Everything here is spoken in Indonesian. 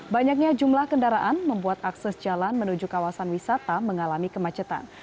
banyaknya jumlah kendaraan membuat akses jalan menuju kawasan wisata mengalami kemacetan